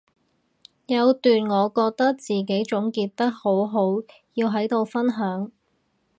有段我覺得自己總結得好好要喺度分享